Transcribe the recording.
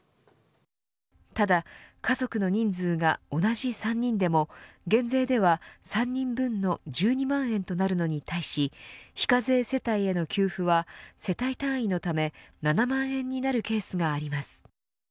ただ家族の人数が同じ３人でも減税では、３人分の１２万円となるのに対し非課税世帯への給付は世帯単位のため７万円になるケースがあります。